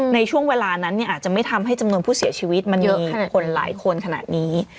ในช่วงเวลานั้นอาจจะไม่ทำให้จำนวนผู้เสียชีวิตมันเยอะขัดคนหลายคนขนาดนี้